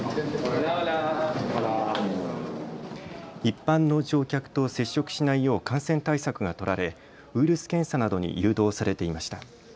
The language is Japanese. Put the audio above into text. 一般の乗客と接触しないよう感染対策が取られウイルス検査などに誘導されていました。